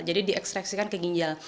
jadi diekstriksikan ke ginjal